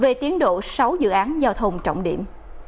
về tiến độ sáu dự án giao thông trọng điểm